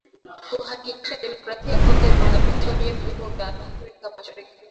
kuhakikisha Demokrasia ya Kongo inaunganishwa kwenye vyombo vya Afrika mashariki